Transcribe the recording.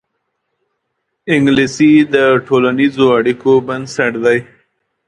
انګلیسي د ټولنیزو اړیکو بنسټ دی